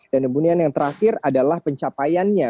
dan kemudian yang terakhir adalah pencapaiannya